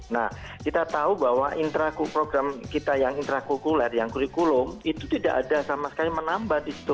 nah kita tahu bahwa program kita yang intrakukuler yang kurikulum itu tidak ada sama sekali menambah di situ